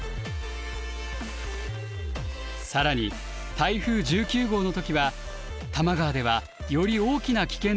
更に台風１９号の時は多摩川ではより大きな危険の兆候が見られました。